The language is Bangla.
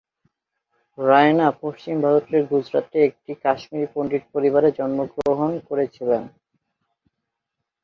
রায়না পশ্চিম ভারতের গুজরাটে একটি কাশ্মীরি পণ্ডিত পরিবারে জন্মগ্রহণ করেছিলেন।